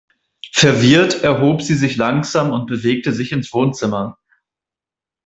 Verwirrt erhob sie sich langsam und bewegte sich ins Wohnzimmer.